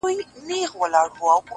خو هغه ليونۍ وايي _